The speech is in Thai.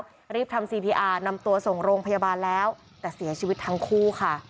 ก็รีบทำซีพีอาร์นำตัวส่งโรงพยาบาลแล้วแต่เสียชีวิตทั้งคู่ค่ะ